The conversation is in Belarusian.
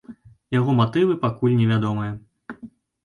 Яго матывы пакуль невядомыя.